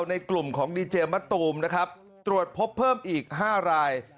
ในกลุ่มของดีเจมะตูมนะครับตรวจพบเพิ่มอีก๕ราย